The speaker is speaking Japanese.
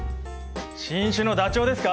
新種のダチョウですか？